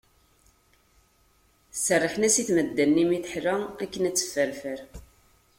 Serrḥen-as i tmedda-nni mi teḥla, akken ad tefferfer.